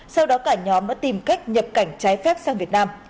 sau đó cả nhóm đã tìm cách nhập cảnh trái phép sang việt nam